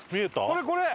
これこれ！